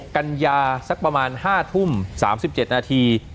กันยาสักประมาณ๕ทุ่ม๓๗นาที